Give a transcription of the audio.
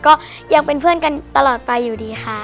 ก็ยังเป็นเพื่อนกันตลอดไปอยู่ดีค่ะ